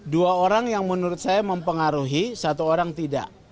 dua orang yang menurut saya mempengaruhi satu orang tidak